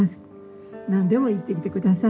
何でも言ってきて下さい。